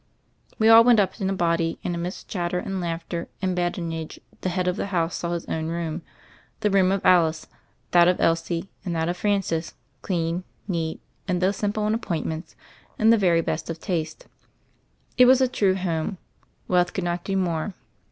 We all went up in a body, and amidst chatter and laughter and badinage the head of the house saw his own room, the room of Alice, that of Elsie and that of Francis, clean, neat, and, though isimple in appointments, in the very best taste. It was a true home : wealth could not do more.